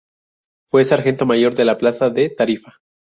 Fue sargento mayor de la plaza de Tarifa.